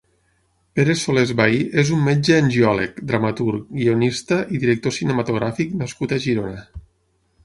Pere Solés Bahí és un metge angiòleg, dramaturg, guionista i director cinematogràfic nascut a Girona.